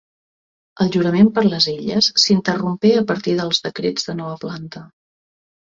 El jurament per les Illes s'interrompé a partir dels Decrets de Nova Planta.